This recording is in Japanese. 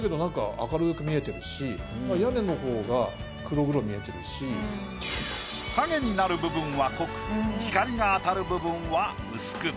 だけどなんか影になる部分は濃く光が当たる部分は薄く。